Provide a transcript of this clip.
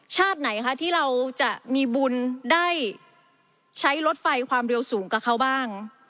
ไหนคะที่เราจะมีบุญได้ใช้รถไฟความเร็วสูงกับเขาบ้าง